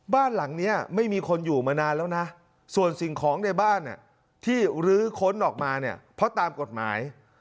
บ้านหลังนี้ไม่มีคนอยู่มานานแล้วนะส่วนสิ่งของในบ้านที่ลื้อค้นออกมาเนี่ยเพราะตามกฎหมาย